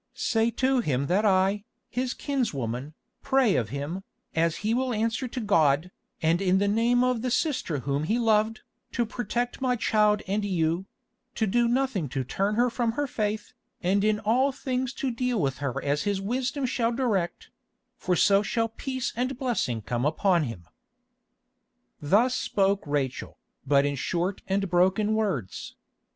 Say to him that I, his kinswoman, pray of him, as he will answer to God, and in the name of the sister whom he loved, to protect my child and you; to do nothing to turn her from her faith, and in all things to deal with her as his wisdom shall direct—for so shall peace and blessing come upon him." Thus spoke Rachel, but in short and broken words.